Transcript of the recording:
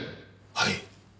はい。